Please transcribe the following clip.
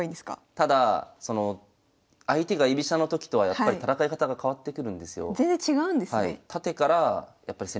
ただその相手が居飛車のときとはやっぱり戦い方が変わってくるんですよ。